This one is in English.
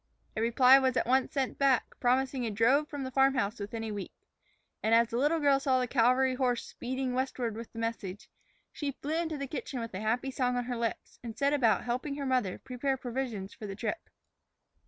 A reply was at once sent back, promising a drove from the farm house within a week. And as the little girl saw the cavalry horse speeding westward with the message, she flew into the kitchen with a happy song on her lips and set about helping her mother prepare provisions for the trip.